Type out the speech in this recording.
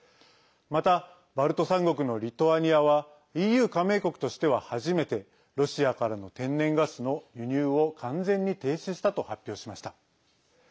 また、バルト３国のリトアニアはＥＵ加盟国としては初めてロシアからの天然ガスの輸入を完全に停止したと発表しました。